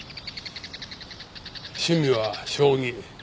趣味は将棋。